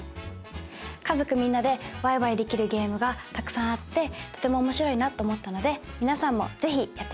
家族みんなでわいわいできるゲームがたくさんあってとても面白いなと思ったので皆さんも是非やってみて下さい。